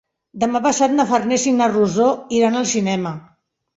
Demà passat na Farners i na Rosó iran al cinema.